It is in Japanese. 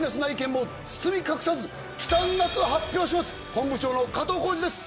本部長の加藤浩次です。